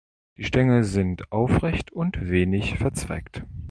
Die Stängel sind aufrecht und wenig verzweigt.